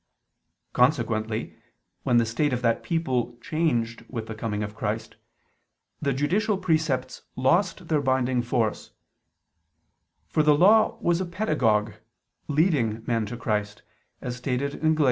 Consequently, when the state of that people changed with the coming of Christ, the judicial precepts lost their binding force: for the Law was a pedagogue, leading men to Christ, as stated in Gal.